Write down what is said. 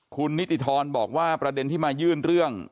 คุณนิติธรบอกว่าประเด็นที่มายื่นเรื่อง